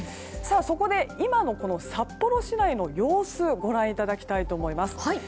そこで今の札幌市内の様子をご覧いただきたいと思います。